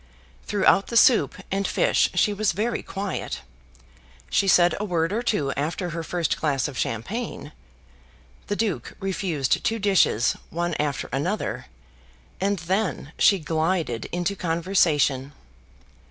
Throughout the soup and fish she was very quiet. She said a word or two after her first glass of champagne. The Duke refused two dishes, one after another, and then she glided into conversation.